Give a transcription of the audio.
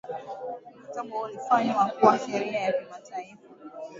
mkataba huo ulifanywa kuwa sheria ya kimataifa